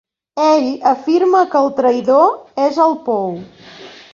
Ell afirma que el traïdor és al pou.